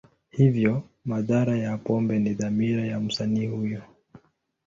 Hivyo, madhara ya pombe ni dhamira ya msanii huyo.